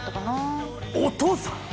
お父さん！